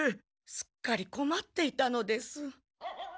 すっかりこまっていたのです。